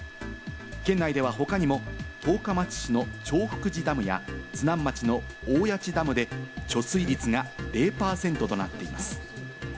県内では他にも、十日町市の長福寺ダムや、津南町の大谷内ダムで貯水率が０％となっています。